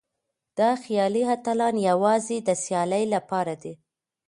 دا خيالي اتلان يوازې د سيالۍ لپاره دي.